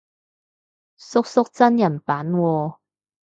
叔叔真人版喎